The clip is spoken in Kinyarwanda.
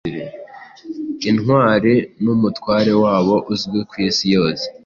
intwari numutware wabo uzwi kwisi yose